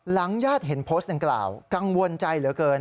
ญาติเห็นโพสต์ดังกล่าวกังวลใจเหลือเกิน